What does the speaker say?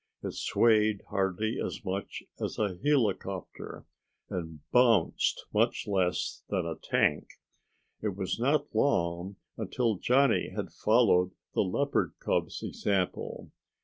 It swayed hardly as much as a helicopter and bounced much less than a tank. It was not long until Johnny had followed the leopard cub's example.